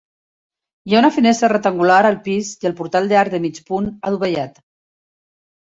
Hi ha una finestra rectangular al pis i el portal d'arc de mig punt adovellat.